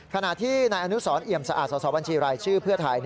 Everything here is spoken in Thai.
ขณะที่นายอนุสรเอี่ยมสะอาดสอบบัญชีรายชื่อเพื่อไทย